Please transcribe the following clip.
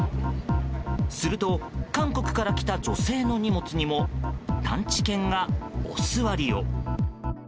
すると韓国から来た女性の荷物にも探知犬が、おすわりを。